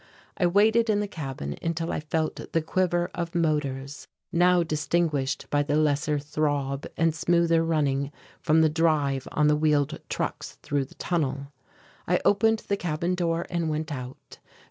I waited in the cabin until I felt the quiver of motors, now distinguished by the lesser throb and smoother running, from the drive on the wheeled trucks through the tunnel. I opened the cabin door and went out.